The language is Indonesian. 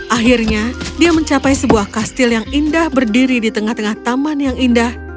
akhirnya dia mencapai sebuah kastil yang indah berdiri di tengah tengah taman yang indah